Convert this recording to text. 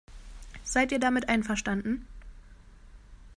Seid ihr damit einverstanden?